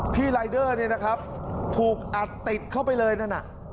รายเดอร์เนี่ยนะครับถูกอัดติดเข้าไปเลยนั่นน่ะ